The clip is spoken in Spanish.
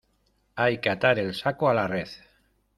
hay que atar el saco a la red.